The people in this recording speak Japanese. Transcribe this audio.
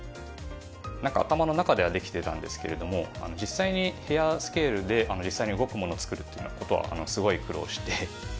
なんか頭の中ではできてたんですけれども実際に部屋スケールで動くものを作るっていう事はすごい苦労して。